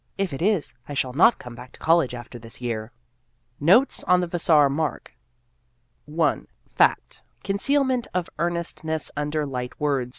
If it is, I shall not come back to college after this year. Danger ! 265 "NOTES ON THE VASSAR MARK FACT. DEDUCTION. I. Concealment of earnest | ness under light words